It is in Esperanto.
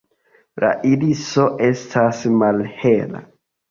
La iriso estas malhela.